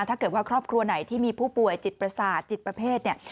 ถ้าเกิดว่าครอบครัวไหนที่มีผู้ป่วยจิตประสาทจิตประเภทเนี่ย